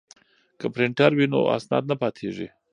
که پرینټر وي نو اسناد نه پاتیږي.